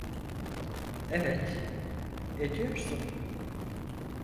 Evet, ediyorsun.